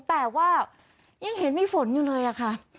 แต่ว่ายังเห็นมีฝนอยู่เลยอะค่ะ